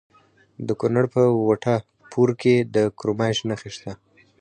د کونړ په وټه پور کې د کرومایټ نښې شته.